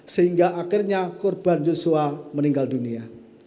sehingga akhirnya korban yosua meninggal dunia